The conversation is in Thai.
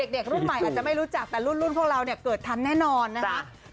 เด็กรุ่นใหม่อาจจะไม่รู้จักแต่รุ่นพวกเราเนี่ยเกิดทันแน่นอนนะคะ